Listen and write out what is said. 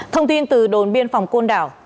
thông tin từ đồn biên phòng côn đảo